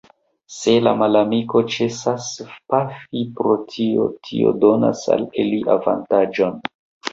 Se la malamiko ĉesas pafi pro tio, tio donas al ili avantaĝon.